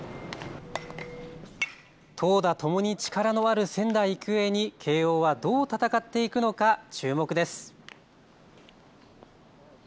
投打ともに力のある仙台育英に慶応はどう戦っていくのか注目です。